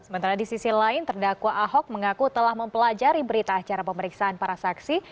sementara di sisi lain terdakwa ahok mengaku telah mempelajari berita acara pemeriksaan para saksi